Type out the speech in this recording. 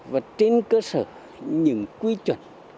và trên cơ sở những quy chuẩn